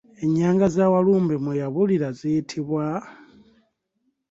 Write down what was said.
Ennyanga za Walumbe mwe yabulira ziyitibwa?